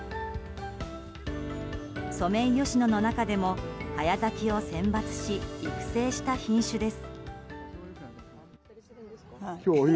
ソメイヨシノの中でも早咲きを選抜し育成した品種です。